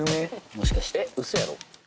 もしかしてえっウソやろ？